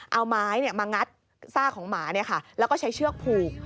เอาไม้มางัดซากของหมาแล้วก็ใช้เชือกผูก